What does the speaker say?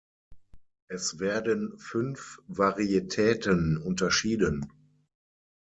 Es werden fünf Varietäten unterschieden.